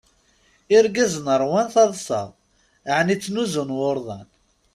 Irgazen ṛwan taḍsa. ɛni ttnuzun wurḍan?